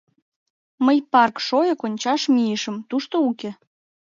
Мый парк шойык ончаш мийышым — тушто уке.